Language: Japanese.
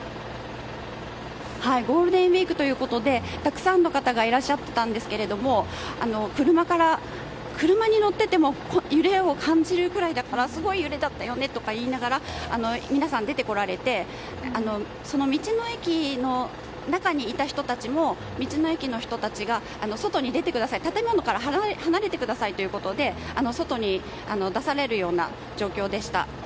ゴールデンウィークということでたくさんの方がいらっしゃっていたんですけれど車に乗ってても揺れを感じるぐらいだったからすごい揺れだったよねと言いながら、皆さん出てこられて道の駅の中にいた人たちも道の駅の人が外に出てください、建物から離れてくださいということで外に出されるような状況でした。